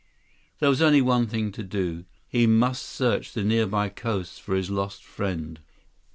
There was only one thing to do. He must search the nearby coast for his lost friend.